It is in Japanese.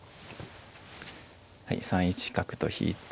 ３一角と引いて。